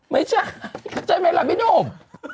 ไม่ใช่พี่เข้าใจไหมล่ะพี่นุ่ม